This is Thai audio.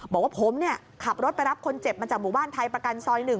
บอกว่าผมขับรถไปรับคนเจ็บมาจากหมู่บ้านไทยประกันซอย๑